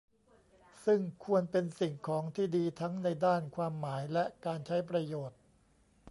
ซึ่งควรเป็นสิ่งของที่ดีทั้งในด้านความหมาย และการใช้ประโยชน์